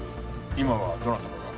今はどなたかが？